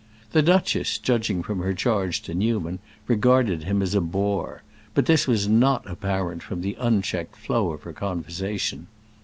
The duchess, judging from her charge to Newman, regarded him as a bore; but this was not apparent from the unchecked flow of her conversation.